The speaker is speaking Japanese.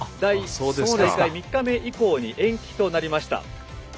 大会３日目以降に延期となりました。